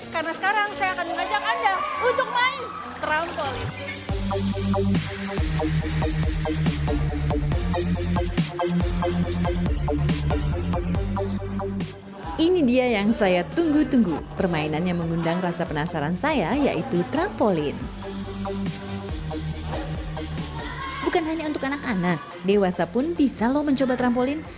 karena sekarang saya akan mengajak anda ujuk main trampolin